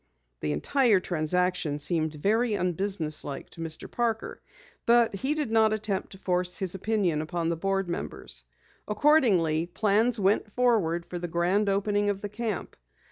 The entire transaction seemed very unbusinesslike to Mr. Parker, but he did not attempt to force his opinion upon the board members. Accordingly, plans went forward for the grand opening of the camp.